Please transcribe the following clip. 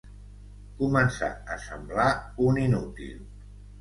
Comença a semblar un inútil.